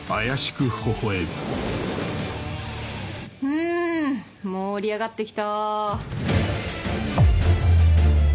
ん盛り上がってきた。